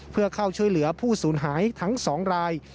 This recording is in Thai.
เพื่อเข้าช่วยเหลือผู้สูญหายทั้ง๒ราย